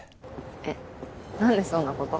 えっ何でそんなこと？